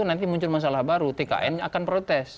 nanti muncul masalah baru tkn akan protes